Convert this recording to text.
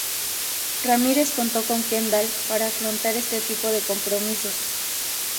Ramírez contó con Kendall para afrontar este tipo de compromisos.